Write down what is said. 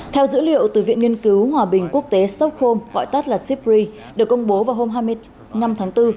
theo dữ liệu từ viện nghiên cứu hòa bình quốc tế stockholm gọi tắt là sibri được công bố vào hôm hai mươi năm tháng bốn